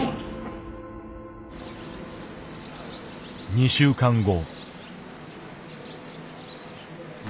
２週間後。